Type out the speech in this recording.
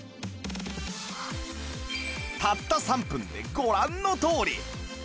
たった３分でご覧のとおり